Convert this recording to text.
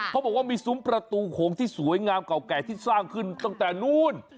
เขาบอกว่ามีซุ้มประตูโขงที่สวยงามเก่าแก่ที่สร้างขึ้นตั้งแต่นู้น